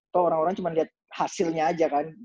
tau orang orang cuman liat hasilnya aja kan